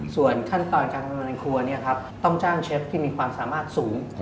ส่วนขั้นตอนการทำงานในครัวต้องจ้างเชฟที่มีความสามารถสูง